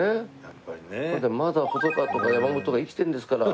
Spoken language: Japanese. それでまだ細川とか山本が生きてるんですから。